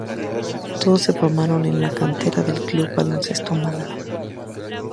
Todos se formaron en la cantera del Club Baloncesto Málaga.